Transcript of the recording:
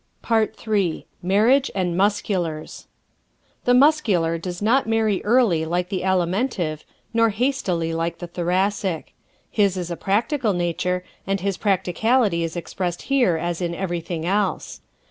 Part Three MARRIAGE AND MUSCULARS ¶ The Muscular does not marry early like the Alimentive nor hastily like the Thoracic. His is a practical nature and his practicality is expressed here as in everything else.